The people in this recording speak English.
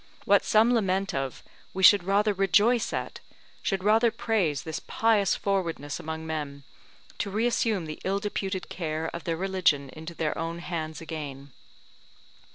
What some lament of, we rather should rejoice at, should rather praise this pious forwardness among men, to reassume the ill deputed care of their religion into their own hands again.